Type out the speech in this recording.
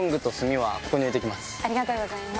ありがとうございます。